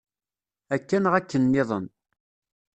Akka neɣ akken-nniḍen.